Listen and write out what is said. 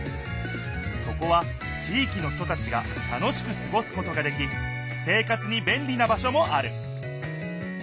そこは地いきの人たちが楽しくすごすことができ生活にべんりな場所もある